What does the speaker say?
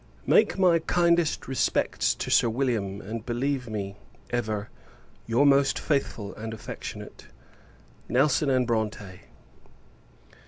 Make my kindest respects to Sir William; and believe me, ever, your most faithful and affectionate NELSON & BRONTE.